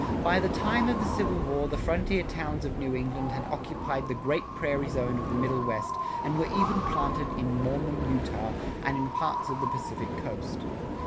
By the time of the Civil War the frontier towns of New England had occupied the great prairie zone of the Middle West and were even planted in Mormon Utah and in parts of the Pacific Coast.